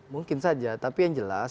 mungkin saja tapi yang jelas